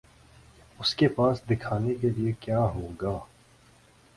اس کے پاس دکھانے کے لیے کیا ہو گا؟